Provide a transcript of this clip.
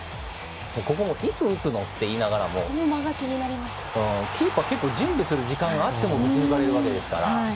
いつ打つのっていいながらもキーパーは結構準備する時間があっても打ち抜かれるわけですから。